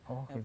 oh gitu ya